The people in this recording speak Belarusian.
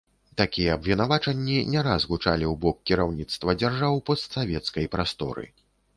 Такія абвінавачанні не раз гучалі у бок кіраўніцтва дзяржаў постсавецкай прасторы.